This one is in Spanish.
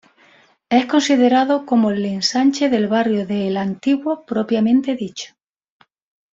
Es considerado como el ensanche del barrio de El Antiguo propiamente dicho.